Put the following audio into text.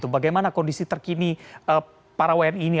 bagaimana kondisi terkini para wni ini